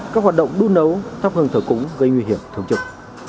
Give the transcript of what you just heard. các hoạt động đun nấu thắp hừng thở cúng gây nguy hiểm thường trực